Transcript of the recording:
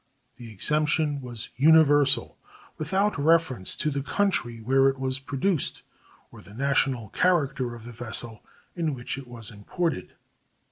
This exemption was universal, without reference to the country where it was produced or the national character of the vessel in which it was imported.